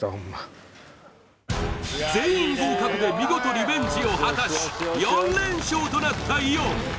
全員合格で見事リベンジを果たし４連勝となったイオン